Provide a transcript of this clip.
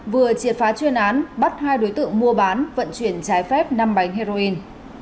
vừa triệt phá chuyên án bắt hai đối tượng mua bán vận chuyển trái phép năm bánh heroin